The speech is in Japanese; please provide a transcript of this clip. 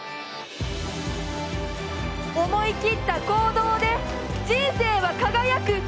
思い切った行動で人生は輝く。